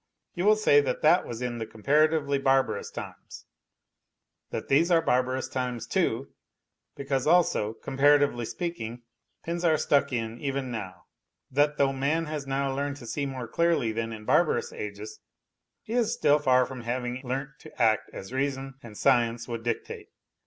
You will say that that was in the comparatively barbarous times; that these are barbarous times too, because also, comparatively speaking, pins are stuck in even now; that though man has now learned to see more clearly than in barbarous ages, he is still far from having learnt to act as reason and science would dictate.